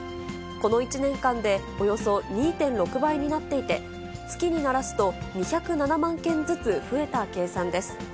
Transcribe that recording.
この１年間でおよそ２．６倍になっていて、月にならすと２０７万件ずつ増えた計算です。